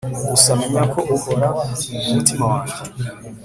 gusa menya ko uhora mumutima wanjye